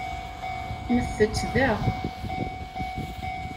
Nettett da.